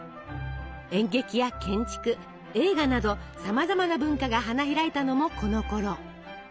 演劇や建築映画などさまざまな文化が花開いたのもこのころ。